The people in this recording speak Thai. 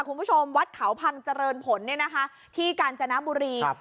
คุณผู้ชมวัดเขาพังเจริญผลเนี่ยนะคะที่กาญจนบุรีครับ